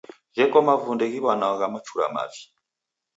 Gheko mavunde ghiw'anwagha mchura mavi.